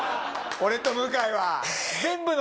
俺と向井は。